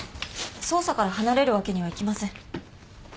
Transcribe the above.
捜査から離れるわけにはいきません。